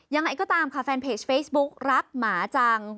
ยังไงก็ตามค่ะแฟนเพจเฟซบุ๊กรักหมาจัง